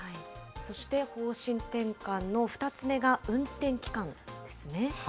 そして、方針転換の２つ目が運転期間ですね。